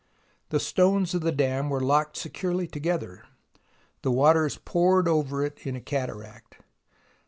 The stones of the dam were locked securely to gether. The waters poured over it in a cataract.